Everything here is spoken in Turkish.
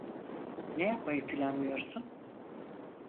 Ne yapmayı planlıyorsun?